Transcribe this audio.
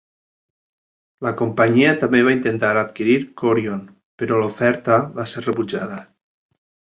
La companyia també va intentar adquirir Chorion, però l'oferta va ser rebutjada.